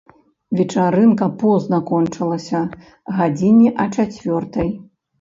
Вечарынка позна кончылася, гадзіне а чацвёртай.